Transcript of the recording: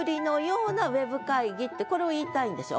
ってこれを言いたいんでしょ？